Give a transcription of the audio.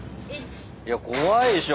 いや怖いでしょ